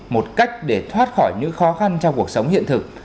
một cách để thoát khỏi những khó khăn trong cuộc sống hiện thực